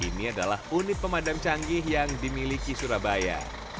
ini adalah unit pemadam canggih yang dimiliki surabaya